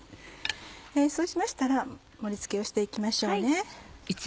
そうしましたら盛り付けをして行きましょう。